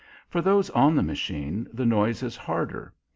For those on the machine the noise is harder.